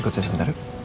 ikut saya sebentar yuk